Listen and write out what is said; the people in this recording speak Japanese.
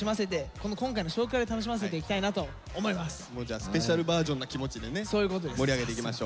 スペシャルバージョンな気持ちでね盛り上げていきましょう。